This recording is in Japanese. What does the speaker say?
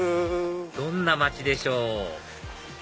どんな街でしょう？